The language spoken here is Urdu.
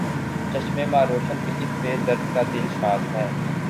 چشمِ ما روشن، کہ اس بے درد کا دل شاد ہے